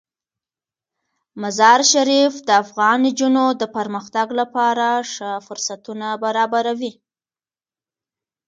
مزارشریف د افغان نجونو د پرمختګ لپاره ښه فرصتونه برابروي.